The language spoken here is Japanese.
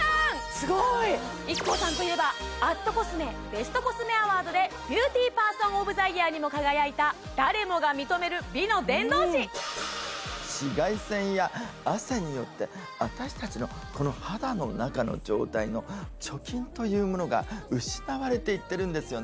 スゴいＩＫＫＯさんといえば＠ｃｏｓｍｅベストコスメアワードで「ＢＥＡＵＴＹＰＥＲＳＯＮＯＦＴＨＥＹＥＡＲ」にも輝いた誰もが認める美の伝道師紫外線や汗によって私たちのこの肌の中の状態の貯金というものが失われていってるんですよね